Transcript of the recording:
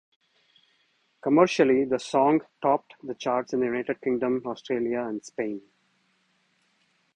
Commercially, the song topped the charts in the United Kingdom, Australia and Spain.